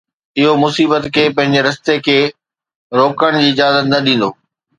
اهو مصيبت کي پنهنجي رستي کي روڪڻ جي اجازت نه ڏيندو.